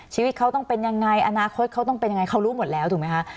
ชีวิตเขาต้องเป็นยังไงอนาคตเขาต้องเป็นยังไงเขารู้หมดแล้วถูกไหมคะ